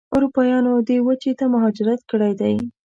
اروپایانو دې وچې ته مهاجرت کړی دی.